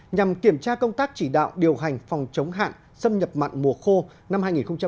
nhằm kiểm tra công tác chỉ đạo điều hành phòng chống hạn xâm nhập mặn mùa khô năm hai nghìn một mươi chín hai nghìn hai mươi